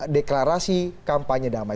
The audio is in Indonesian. deklarasi kampanye damai